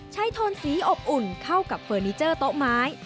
โทนสีอบอุ่นเข้ากับเฟอร์นิเจอร์โต๊ะไม้